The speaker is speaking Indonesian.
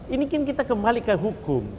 ini kan kita kembali ke hukum